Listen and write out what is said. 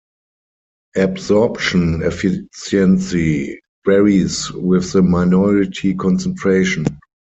Absorption efficiency varies with the minority concentration.